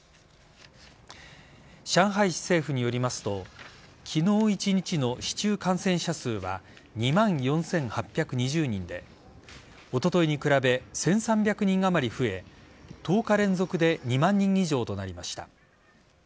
上海市政府によりますと昨日一日の市中感染者数は２万４８２０人でおとといに比べ１３００人あまり増え１０日連続で２万人以上となりました。